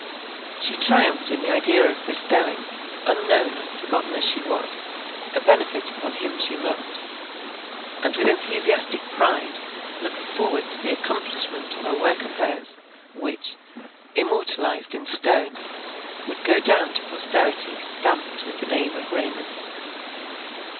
She triumphed in the idea of bestowing, unknown and forgotten as she was, a benefit upon him she loved; and with enthusiastic pride looked forward to the accomplishment of a work of hers, which, immortalized in stone, would go down to posterity stamped with the name of Raymond.